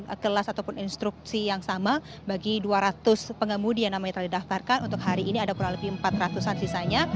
ada kelas ataupun instruksi yang sama bagi dua ratus pengemudi yang namanya telah didaftarkan untuk hari ini ada kurang lebih empat ratus an sisanya